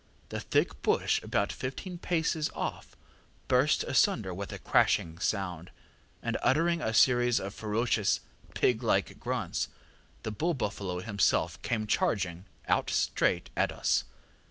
The thick bush about fifteen paces off burst asunder with a crashing sound, and uttering a series of ferocious pig like grunts, the bull buffalo himself came charging out straight at us.